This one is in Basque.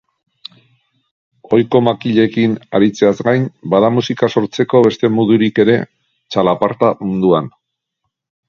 Ohiko makilekin aritzeaz gain, bada musika sortzeko beste modurik ere txalaparta munduan.